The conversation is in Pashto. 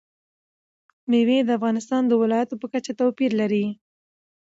مېوې د افغانستان د ولایاتو په کچه توپیر لري.